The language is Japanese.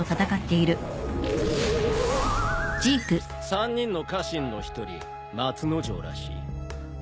３人の家臣の一人松之丞らしい。